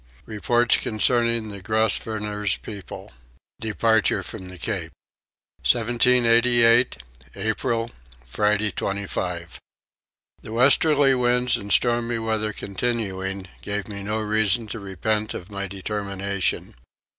Reports concerning the Grosvenor's People. Departure from the Cape. 1788. April. Friday 25. The westerly winds and stormy weather continuing gave me no reason to repent of my determination.